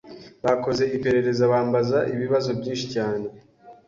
bakoze iperereza bambaza ibibazo byinshi cyane